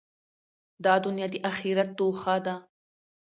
دا دؤنیا د آخرت توښه ده.